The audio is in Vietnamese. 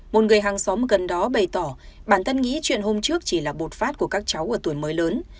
một người hàng xóm gần đó bày tỏ bản thân nghĩ chuyện hôm trước chỉ là bột phát của các cháu ở tuổi mới lớn